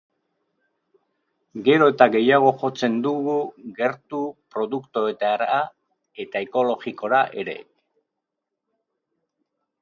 Gero eta gehiago jotzen dugu gertuko produktoreetara eta ekologikora ere.